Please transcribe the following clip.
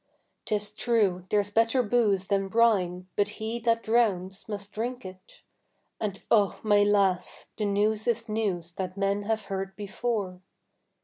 'Tis true there's better boose than brine, but he that drowns must drink it; And oh, my lass, the news is news that men have heard before.